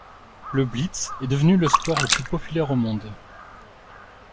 Le Blitz est devenu le sport le plus populaire du monde.